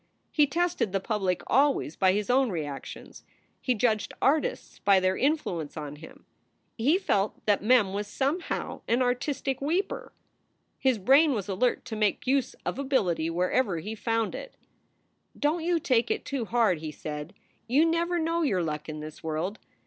He tested the public always by his own reactions. He judged artists by their influence on him. He felt that Mem was somehow an artistic weeper. His brain was alert to make use of ability wherever he found it. " Don t you take it too hard," he said. "You never know your luck in this w r orld.